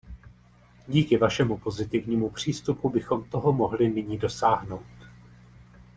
Díky vašemu pozitivnímu přístupu bychom toho mohli nyní dosáhnout.